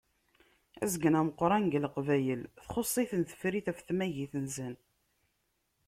Azgen ameqqran deg Leqbayel txuṣṣ-iten tefrit ɣef tamagit-nsen.